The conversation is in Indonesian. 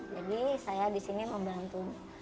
jadi saya di sini membantu